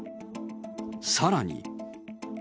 さらに。